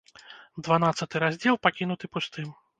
Дванаццаты раздзел пакінуты пустым.